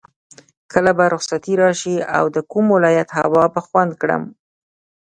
کله به رخصتي راشي او د کوم ولایت هوا به خوند کړم.